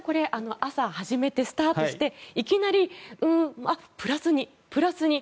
朝、初めてスタートとしていきなりプラス２プラス２